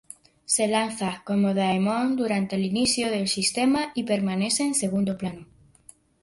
Se lanza como daemon durante el inicio del sistema y permanece en segundo plano.